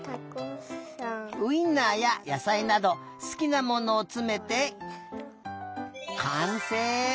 ウインナーややさいなどすきなものをつめてかんせい！